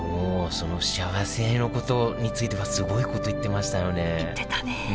そのしあわせのことについてはすごいことを言ってましたよね言ってたね。